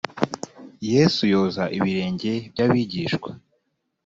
yesu yoza ibirenge by abigishwa